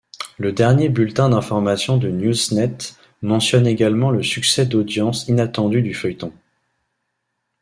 Le dernier bulletin d'information de Newsnet mentionne également le succès d'audience inattendu du feuilleton.